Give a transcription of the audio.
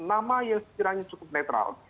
yang pertama yang sekiranya cukup netral